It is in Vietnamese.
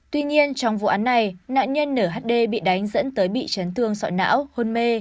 tuy nhiên trong vụ án này nạn nhân nở hd bị đánh dẫn tới bị chấn thương sọ não hôn mê